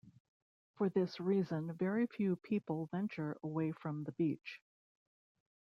For this reason, very few people venture away from the beach.